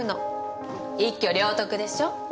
一挙両得でしょ？